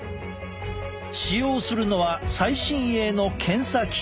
使用するのは最新鋭の検査機器。